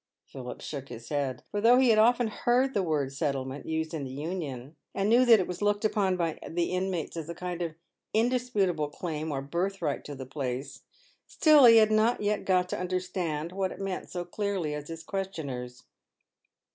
Philip shook his head ; for though he had often heard the word " settlement" used in the Union, and knew that it was looked upon by the inmates as a kind of indisputable claim or birthright to the place, still he had not yet got to understand what it meant so clearly as his questioners.